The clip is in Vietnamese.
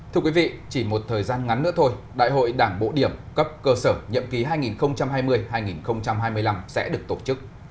thưa quý vị chỉ một thời gian ngắn nữa thôi đại hội đảng bộ điểm cấp cơ sở nhậm ký hai nghìn hai mươi hai nghìn hai mươi năm sẽ được tổ chức